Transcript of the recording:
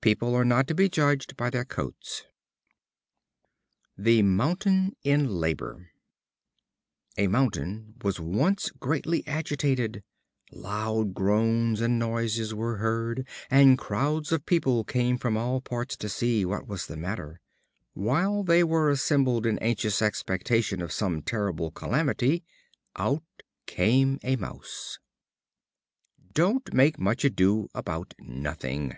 People are not to be judged by their coats. The Mountain in Labor. A Mountain was once greatly agitated. Loud groans and noises were heard; and crowds of people came from all parts to see what was the matter. While they were assembled in anxious expectation of some terrible calamity, out came a Mouse. Don't make much ado about nothing.